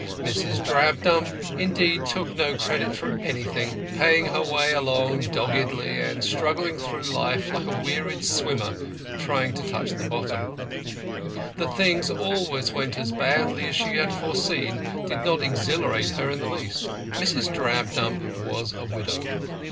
Mrs. Drabdump indeed took no credit for anything, paying her way along doggedly, and struggling through life like a wearied swimmer trying to touch the horizon. That things always went as badly as she had foreseen did not exhilarate her in the least. Mrs. Drabdump was a widow.